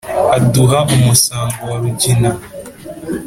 Aduha umusango wa Rugina